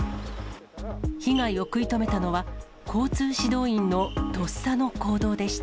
被害を食い止めたのは、交通指導員のとっさの行動でした。